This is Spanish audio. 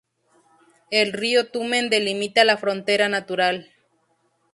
El río Tumen delimita la frontera natural.